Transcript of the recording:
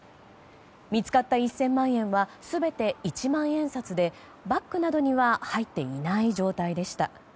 見つかった１０００万円は全て一万円札でバッグなどには入っていない状態でした。